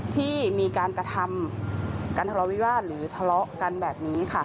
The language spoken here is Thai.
ที่มีการกระทำการทะเลาวิวาสหรือทะเลาะกันแบบนี้ค่ะ